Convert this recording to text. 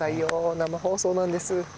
生放送なんです。